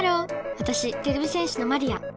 わたしてれび戦士のマリア。